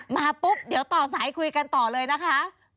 มาปุ๊บเดี๋ยวต่อสายคุยกันต่อเลยนะคะ